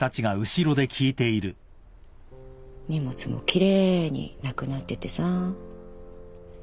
荷物も奇麗になくなっててさ。